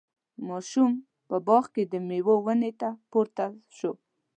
ماشوم په باغ کې د میوو ونې ته پورته شو.